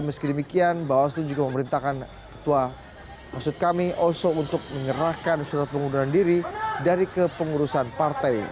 meski demikian bawaslu juga memerintahkan ketua maksud kami oso untuk menyerahkan surat pengunduran diri dari kepengurusan partai